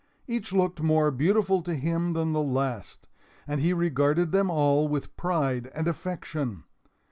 Each looked more beautiful to him than the last, and he regarded them all with pride and affection.